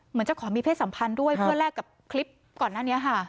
จะขอมีเพศสัมพันธ์ด้วยเพื่อแลกกับคลิปก่อนหน้านี้ค่ะ